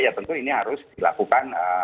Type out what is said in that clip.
ya tentu ini harus dilakukan